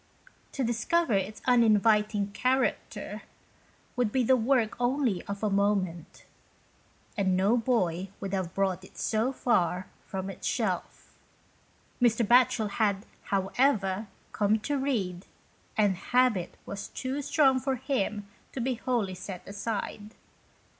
To discover its uninviting character 25 GHOST TALES. would be the work only of a moment, and no boy would have brought it so far from its shelf. Mr. Batchel had, however, come to read, and habit was too strong with him to be wholly set aside.